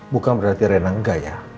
bukan berarti rena enggak ya